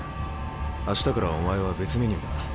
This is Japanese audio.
明日からお前は別メニューだ。